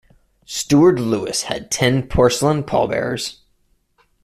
Steward Lewis had ten Porcellian pallbearers.